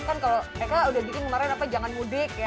kan kalau eka udah bikin kemarin apa jangan mudik ya